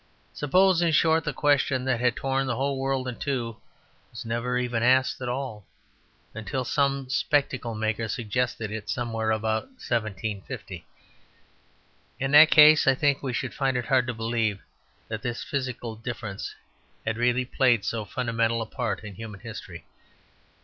Suppose, in short, the question that had torn the whole world in two was never even asked at all, until some spectacle maker suggested it somewhere about 1750. In that case I think we should find it hard to believe that this physical difference had really played so fundamental a part in human history.